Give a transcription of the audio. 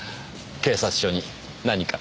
警察署に何か？